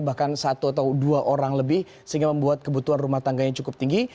bahkan satu atau dua orang lebih sehingga membuat kebutuhan rumah tangganya cukup tinggi